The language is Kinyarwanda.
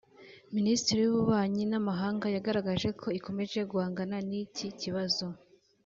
Minisiteri y’Ububanyi n’Amahanga yagaragaje ko ikomeje guhangana n’iki kibazo